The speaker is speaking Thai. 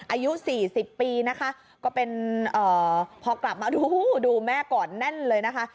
อายุ๔๐ปีนะคะก็เป็นพอกลับมาดูดูแม่ก่อนแน่นเลยนะคะ